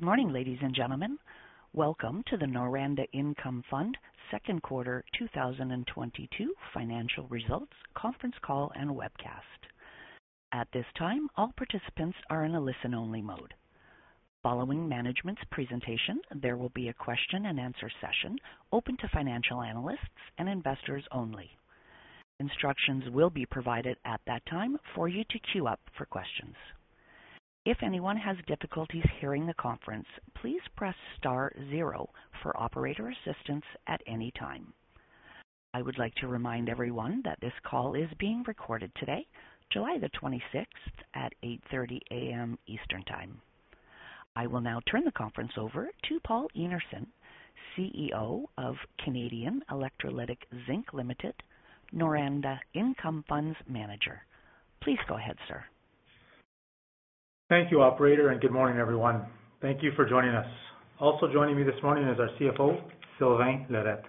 Good morning, ladies and gentlemen. Welcome to the Noranda Income Fund Q2 2022 financial results conference call and webcast. At this time, all participants are in a listen-only mode. Following management's presentation, there will be a question-and-answer session open to financial analysts and investors only. Instructions will be provided at that time for you to queue up for questions. If anyone has difficulties hearing the conference, please press star zero for operator assistance at any time. I would like to remind everyone that this call is being recorded today, July 26 at 8:30 A.M. Eastern Time. I will now turn the conference over to Paul Einarson, CEO of Canadian Electrolytic Zinc Limited, Noranda Income Fund's manager. Please go ahead, sir. Thank you, operator, and good morning, everyone. Thank you for joining us. Also joining me this morning is our CFO, Sylvain Lirette.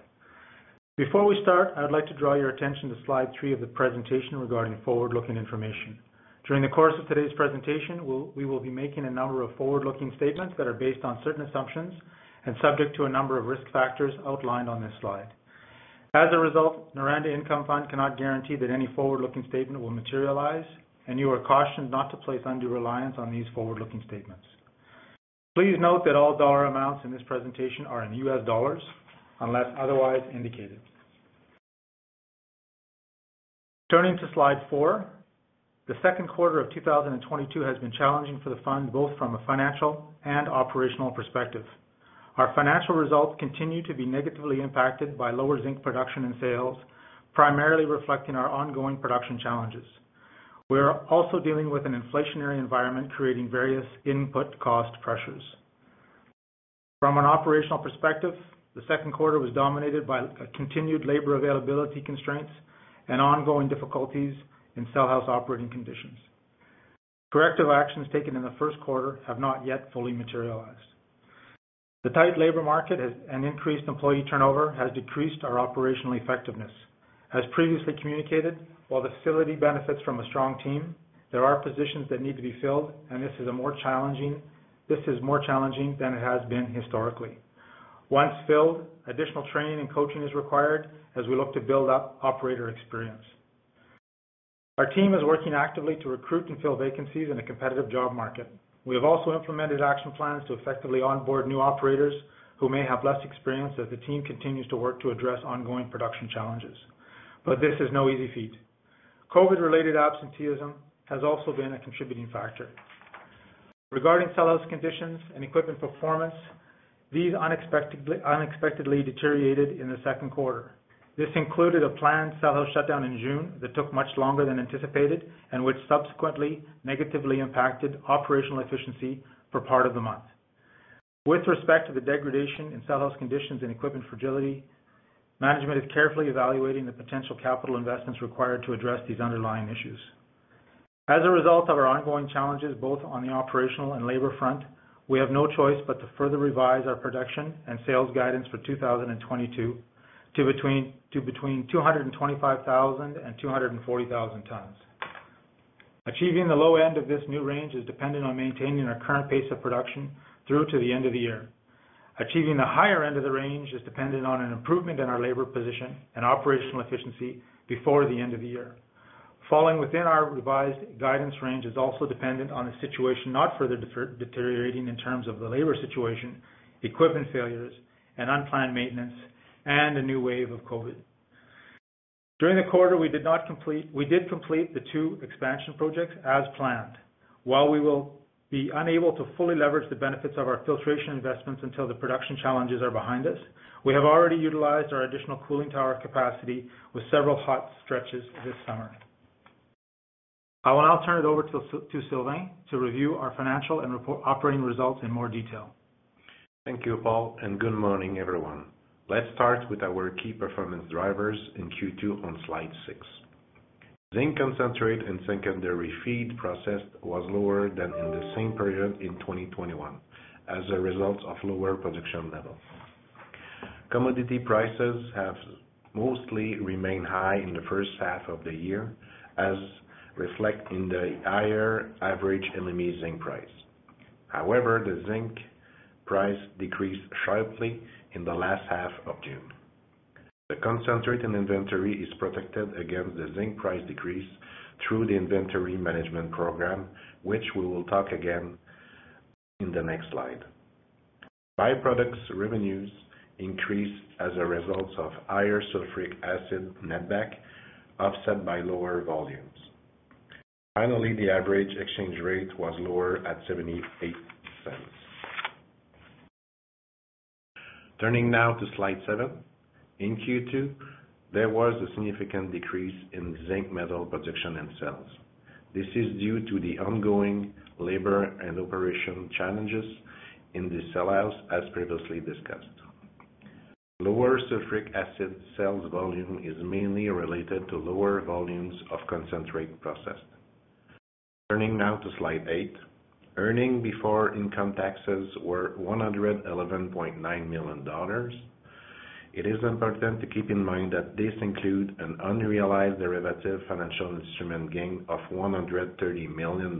Before we start, I'd like to draw your attention to slide three of the presentation regarding forward-looking information. During the course of today's presentation, we will be making a number of forward-looking statements that are based on certain assumptions and subject to a number of risk factors outlined on this slide. As a result, Noranda Income Fund cannot guarantee that any forward-looking statement will materialize, and you are cautioned not to place undue reliance on these forward-looking statements. Please note that all dollar amounts in this presentation are in U.S. Dollars unless otherwise indicated. Turning to slide four. The Q2 of 2022 has been challenging for the fund, both from a financial and operational perspective. Our financial results continue to be negatively impacted by lower zinc production and sales, primarily reflecting our ongoing production challenges. We are also dealing with an inflationary environment, creating various input cost pressures. From an operational perspective, the Q2 was dominated by a continued labor availability constraints and ongoing difficulties in cell house operating conditions. Corrective actions taken in the Q1 have not yet fully materialized. The tight labor market and increased employee turnover has decreased our operational effectiveness. As previously communicated, while the facility benefits from a strong team, there are positions that need to be filled, and this is more challenging than it has been historically. Once filled, additional training and coaching is required as we look to build up operator experience. Our team is working actively to recruit and fill vacancies in a competitive job market. We have also implemented action plans to effectively onboard new operators who may have less experience as the team continues to work to address ongoing production challenges, but this is no easy feat. COVID-19-related absenteeism has also been a contributing factor. Regarding cell house conditions and equipment performance, these unexpectedly deteriorated in the Q2. This included a planned cell house shutdown in June that took much longer than anticipated and which subsequently negatively impacted operational efficiency for part of the month. With respect to the degradation in cell house conditions and equipment fragility, management is carefully evaluating the potential capital investments required to address these underlying issues. As a result of our ongoing challenges, both on the operational and labor front, we have no choice but to further revise our production and sales guidance for 2022 to between 225,000 and 240,000 tons. Achieving the low end of this new range is dependent on maintaining our current pace of production through to the end of the year. Achieving the higher end of the range is dependent on an improvement in our labor position and operational efficiency before the end of the year. Falling within our revised guidance range is also dependent on the situation not further deteriorating in terms of the labor situation, equipment failures and unplanned maintenance, and a new wave of COVID-19. During the quarter, we did complete the two expansion projects as planned. While we will be unable to fully leverage the benefits of our filtration investments until the production challenges are behind us, we have already utilized our additional cooling tower capacity with several hot stretches this summer. I will now turn it over to Sylvain to review our financial and operating results in more detail. Thank you, Paul, and good morning, everyone. Let's start with our key performance drivers in Q2 on slide 6. Zinc concentrate and secondary feed processed was lower than in the same period in 2021 as a result of lower production levels. Commodity prices have mostly remained high in the H1 of the year, as reflected in the higher average LME zinc price. However, the zinc price decreased sharply in the last half of June. The concentrate in inventory is protected against the zinc price decrease through the inventory management program, which we will talk again in the next slide. Byproduct revenues increased as a result of higher sulfuric acid netback, offset by lower volumes. Finally, the average exchange rate was lower at $0.78. Turning now to slide 7. In Q2, there was a significant decrease in zinc metal production and sales. This is due to the ongoing labor and operation challenges in the cell house, as previously discussed. Lower sulfuric acid sales volume is mainly related to lower volumes of concentrate processed. Turning now to slide 8. Earnings before income taxes were $111.9 million. It is important to keep in mind that this includes an unrealized derivative financial instrument gain of $130 million,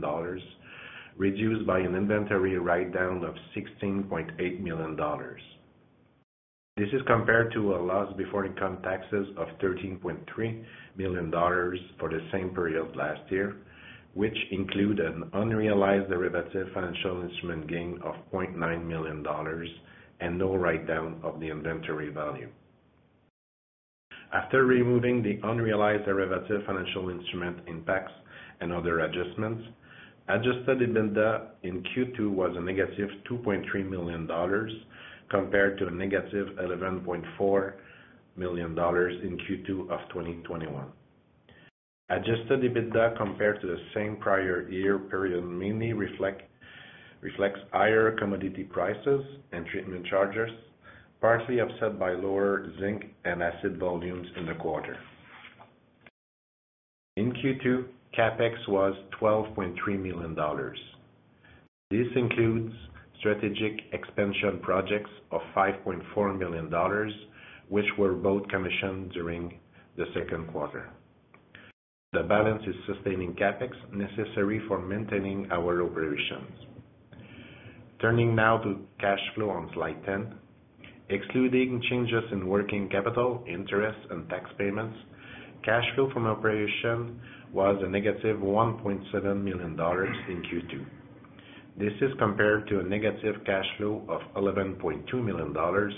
reduced by an inventory write-down of $16.8 million. This is compared to a loss before income taxes of $13.3 million for the same period last year, which included an unrealized derivative financial instrument gain of $0.9 million and no write-down of the inventory value. After removing the unrealized derivative financial instrument impacts and other adjustments, adjusted EBITDA in Q2 was -$2.3 million, compared to -$11.4 million in Q2 of 2021. Adjusted EBITDA compared to the same prior year period mainly reflects higher commodity prices and treatment charges, partly offset by lower zinc and acid volumes in the quarter. In Q2, CapEx was $12.3 million. This includes strategic expansion projects of $5.4 million, which were both commissioned during the Q2. The balance is sustaining CapEx necessary for maintaining our operations. Turning now to cash flow on slide 10. Excluding changes in working capital, interest, and tax payments, cash flow from operations was -$1.7 million in Q2. This is compared to a negative cash flow of $11.2 million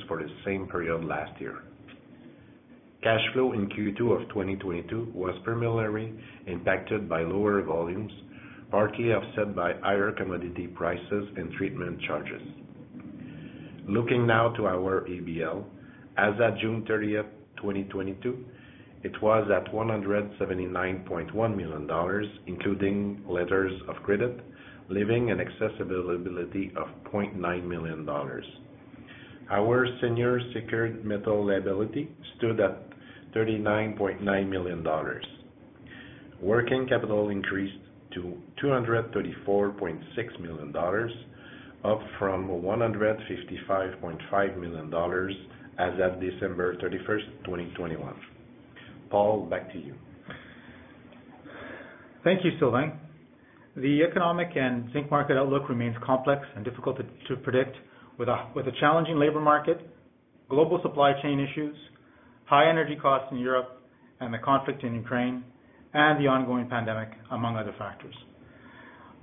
for the same period last year. Cash flow in Q2 of 2022 was primarily impacted by lower volumes, partly offset by higher commodity prices and treatment charges. Looking now to our ABL. As at June 30, 2022, it was at $179.1 million, including letters of credit, leaving an excess availability of $0.9 million. Our senior secured metal liability stood at $39.9 million. Working capital increased to $234.6 million, up from $155.5 million as at December 31, 2021. Paul, back to you. Thank you, Sylvain. The economic and zinc market outlook remains complex and difficult to predict with a challenging labor market, global supply chain issues, high energy costs in Europe and the conflict in Ukraine, and the ongoing pandemic, among other factors.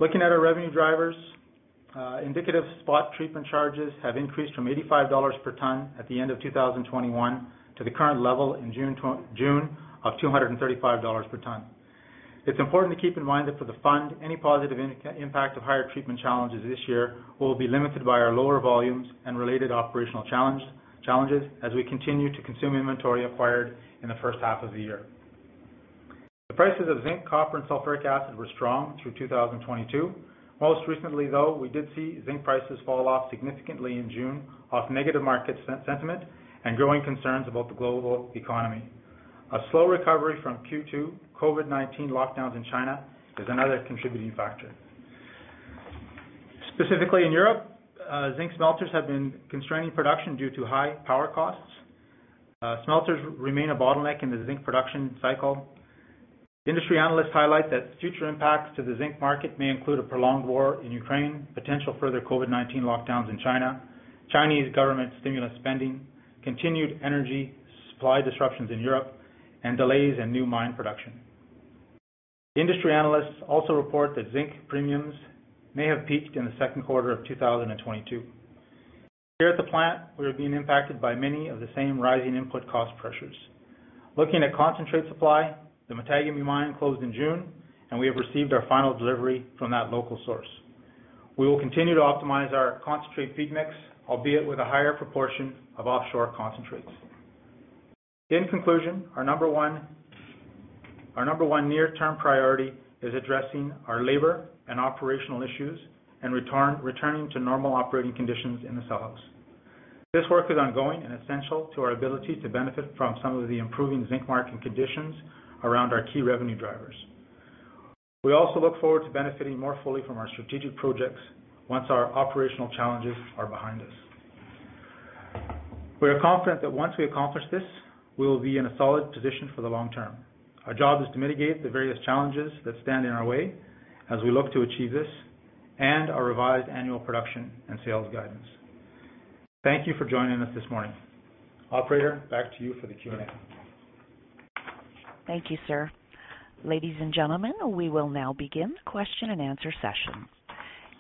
Looking at our revenue drivers, indicative spot treatment charges have increased from $85 per ton at the end of 2021 to the current level in June of $235 per ton. It's important to keep in mind that for the fund, any positive impact of higher treatment charges this year will be limited by our lower volumes and related operational challenges as we continue to consume inventory acquired in the H1 of the year. The prices of zinc, copper, and sulfuric acid were strong through 2022. Most recently, though, we did see zinc prices fall off significantly in June off negative market sentiment and growing concerns about the global economy. A slow recovery from Q2 COVID-19 lockdowns in China is another contributing factor. Specifically in Europe, zinc smelters have been constraining production due to high power costs. Smelters remain a bottleneck in the zinc production cycle. Industry analysts highlight that future impacts to the zinc market may include a prolonged war in Ukraine, potential further COVID-19 lockdowns in China, Chinese government stimulus spending, continued energy supply disruptions in Europe, and delays in new mine production. Industry analysts also report that zinc premiums may have peaked in the Q2 of 2022. Here at the plant, we are being impacted by many of the same rising input cost pressures. Looking at concentrate supply, the Matagami mine closed in June, and we have received our final delivery from that local source. We will continue to optimize our concentrate feed mix, albeit with a higher proportion of offshore concentrates. In conclusion, our number one near-term priority is addressing our labor and operational issues and returning to normal operating conditions in the cell house. This work is ongoing and essential to our ability to benefit from some of the improving zinc market conditions around our key revenue drivers. We also look forward to benefiting more fully from our strategic projects once our operational challenges are behind us. We are confident that once we accomplish this, we will be in a solid position for the long term. Our job is to mitigate the various challenges that stand in our way as we look to achieve this and our revised annual production and sales guidance. Thank you for joining us this morning. Operator, back to you for the Q&A. Thank you, sir. Ladies and gentlemen, we will now begin the question and answer session.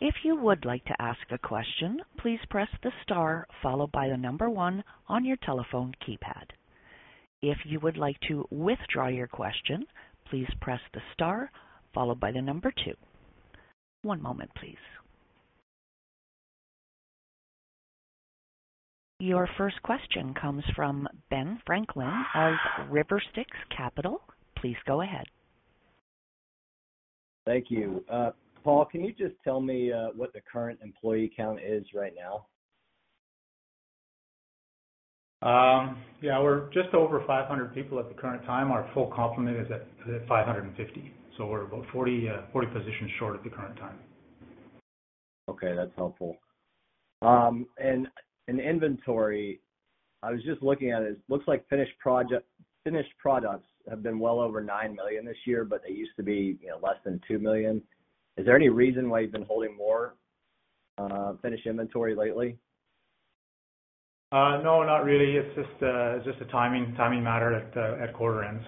If you would like to ask a question, please press the star followed by the number one on your telephone keypad. If you would like to withdraw your question, please press the star followed by the number two. One moment, please. Your first question comes from Benjamin Franklin of RiverStyx Capital. Please go ahead. Thank you. Paul, can you just tell me what the current employee count is right now? Yeah, we're just over 500 people at the current time. Our full complement is at 550. We're about 40 positions short at the current time. Okay, that's helpful. In inventory, I was just looking at it. It looks like finished products have been well over 9 million this year, but they used to be, you know, less than 2 million. Is there any reason why you've been holding more finished inventory lately? No, not really. It's just a timing matter at quarter ends.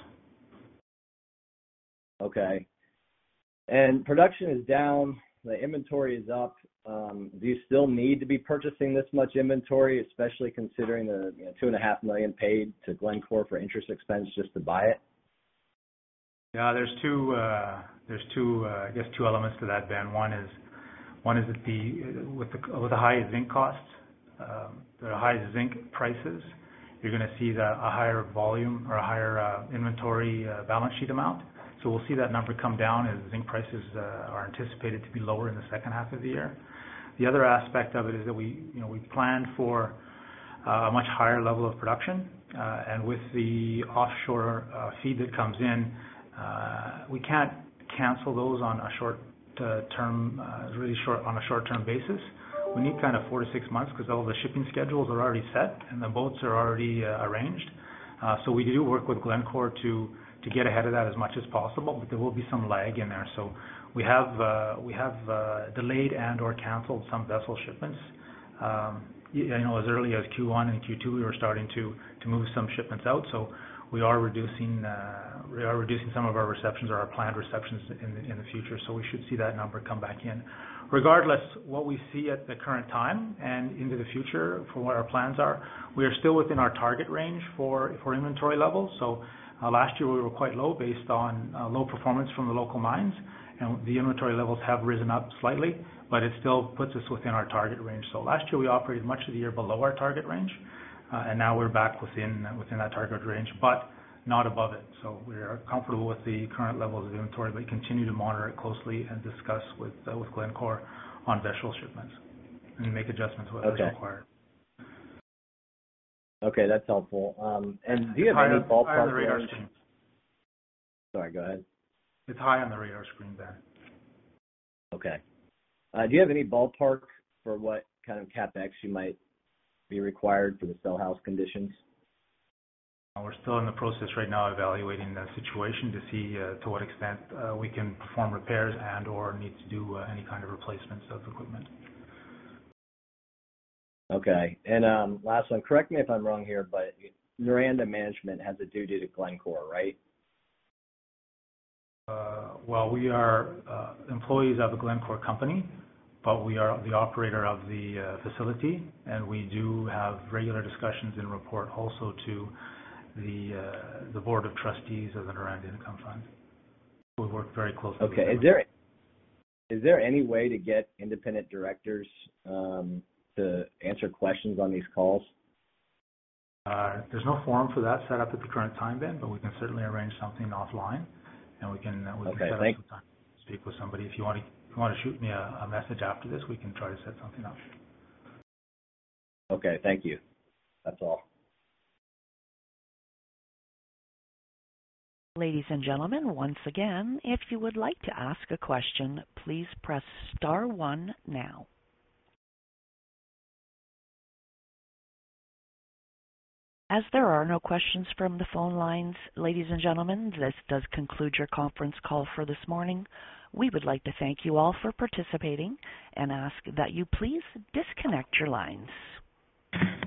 Okay. Production is down, the inventory is up. Do you still need to be purchasing this much inventory, especially considering the, you know, $2.5 million paid to Glencore for interest expense just to buy it? Yeah, there's two elements to that, Ben. One is that with the high zinc costs, the high zinc prices, you're gonna see that a higher volume or a higher inventory balance sheet amount. We'll see that number come down as zinc prices are anticipated to be lower in the H2 of the year. The other aspect of it is that we, you know, we planned for a much higher level of production and with the offshore feed that comes in, we can't cancel those on a short-term basis. We need kind of four to six months because all the shipping schedules are already set and the boats are already arranged. We do work with Glencore to get ahead of that as much as possible, but there will be some lag in there. We have delayed and/or canceled some vessel shipments. You know, as early as Q1 and Q2, we were starting to move some shipments out. We are reducing some of our receptions or our planned receptions in the future, so we should see that number come back in. Regardless, what we see at the current time and into the future for what our plans are, we are still within our target range for inventory levels. Last year we were quite low based on low performance from the local mines. The inventory levels have risen up slightly, but it still puts us within our target range. Last year we operated much of the year below our target range, and now we're back within that target range, but not above it. We are comfortable with the current levels of inventory, but continue to monitor it closely and discuss with Glencore on vessel shipments and make adjustments where required. Okay. Okay, that's helpful. Do you have any ballpark figures? It's high on the radar screen, Ben. Okay. Do you have any ballpark for what kind of CapEx you might be required for the cell house conditions? We're still in the process right now of evaluating the situation to see to what extent we can perform repairs and/or need to do any kind of replacements of equipment. Okay. Last one. Correct me if I'm wrong here, but Noranda management has a duty to Glencore, right? Well, we are employees of a Glencore company, but we are the operator of the facility, and we do have regular discussions and report also to the board of trustees of the Noranda Income Fund. We work very closely with them. Okay. Is there, is there any way to get independent directors to answer questions on these calls? There's no forum for that set up at the current time, Ben, but we can certainly arrange something offline and we can set up a time to speak with somebody. If you want to shoot me a message after this, we can try to set something up. Okay, thank you. That's all. Ladies and gentlemen, once again, if you would like to ask a question, please press star one now. As there are no questions from the phone lines, ladies and gentlemen, this does conclude your conference call for this morning. We would like to thank you all for participating and ask that you please disconnect your lines.